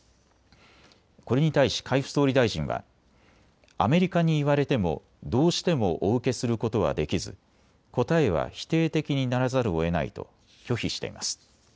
これに対し海部総理大臣はアメリカに言われてもどうしてもお受けすることはできず、答えは否定的にならざるを得ないと拒否しています。